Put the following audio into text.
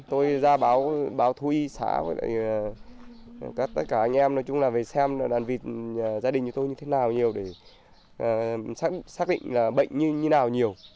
tôi ra báo thú y xã với tất cả anh em nói chung là về xem đàn vịt gia đình như tôi như thế nào nhiều để xác định là bệnh như thế nào nhiều